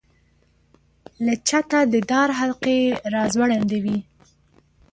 له چته د دار حلقې را ځوړندې وې.